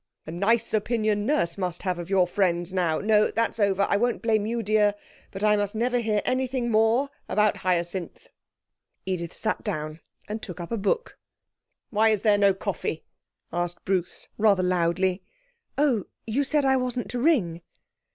A nice opinion Nurse must have of your friends now! No; that's over. I won't blame you, dear, but I must never hear anything more about Hyacinth.' Edith sat down and took up a book. 'Why is there no coffee?' asked Bruce rather loudly. 'Oh, you said I wasn't to ring.'